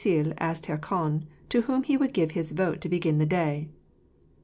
Then Oisille asked Hircan to whom he would give his vote to begin the day.